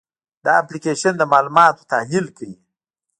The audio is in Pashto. دا اپلیکیشن د معلوماتو تحلیل کوي.